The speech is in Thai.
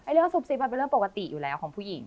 ไอ้เรื่องซุปซิปมันเป็นเรื่องปกติอยู่แล้วของผู้หญิง